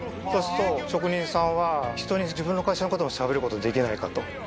そうすると職人さんはひとに自分の会社のこともしゃべることできないかと。